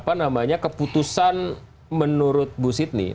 apa namanya keputusan menurut bu sydney